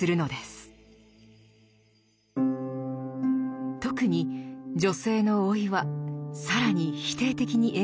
特に女性の老いは更に否定的に描かれるといいます。